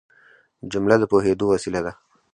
جمله د پوهېدو وسیله ده.